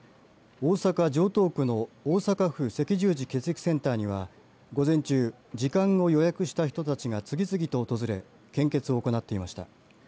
大阪、城東区の大阪府赤十字血液センターには午前中、時間を予約した人たちが次々と訪れ献血を行っていました。